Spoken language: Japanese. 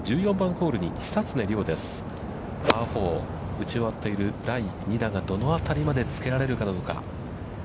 打ち終わっている、第２打が、どのあたりまでつけられるかどうか。